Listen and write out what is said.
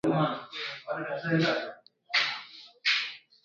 Ukoo kuamua kuangamiza watoto walemavu